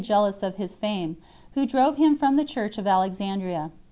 jealous of his fame, who drove him from the Church of) Alexandria.